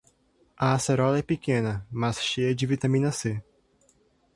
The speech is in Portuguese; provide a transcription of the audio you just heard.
A acerola é pequena, mas cheia de vitamina C.